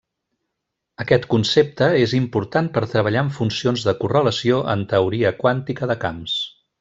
Aquest concepte és important per treballar amb funcions de correlació en teoria quàntica de camps.